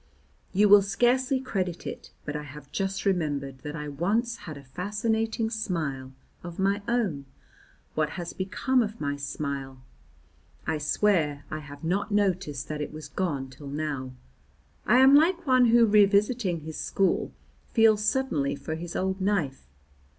You will scarcely credit it, but I have just remembered that I once had a fascinating smile of my own. What has become of my smile? I swear I have not noticed that it was gone till now; I am like one who revisiting his school feels suddenly for his old knife.